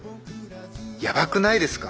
やばくないですか？